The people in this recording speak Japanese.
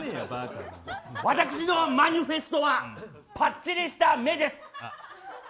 私のマニフェストはぱっちりした目です。